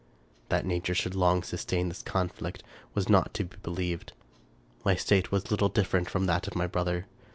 That nature should long sustain this conflict was not to be believed. My state was little different from that of my brother.